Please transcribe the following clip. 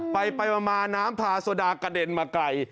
ไปมาน้ำพาโซดากระเด็นมาไกล